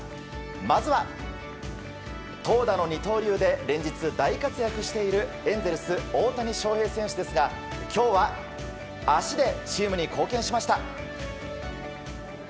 まずは、投打の二刀流で連日大活躍しているエンゼルス、大谷翔平選手ですが今日は足でチームに貢献しました。